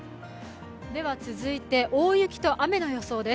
続いて、大雪と雨の予想です。